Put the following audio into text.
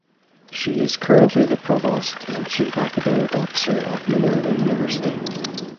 She is currently the Provost and Chief Academic Officer of Minerva University.